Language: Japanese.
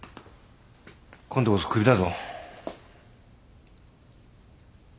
今度こそクビだぞ。